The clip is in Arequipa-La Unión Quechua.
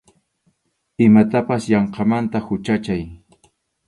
Imatapas yanqamanta huchachay.